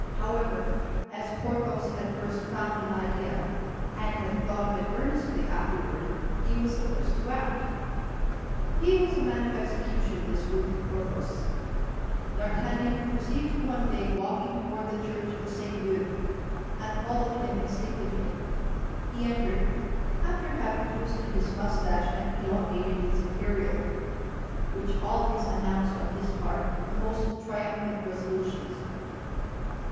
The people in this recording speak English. However, as Porthos had first found an idea, and had thought of it earnestly afterward, he was the first to act. He was a man of execution, this worthy Porthos. D'Artagnan perceived him one day walking toward the church of St. Leu, and followed him instinctively. He entered, after having twisted his mustache and elongated his imperial, which always announced on his part the most triumphant resolutions.